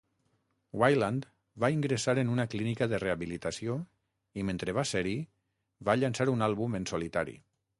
Weiland va ingressar en una clínica de rehabilitació i mentre va ser-hi va llançar un àlbum en solitari.